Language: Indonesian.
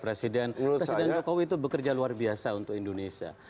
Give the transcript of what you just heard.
presiden jokowi itu bekerja luar biasa untuk indonesia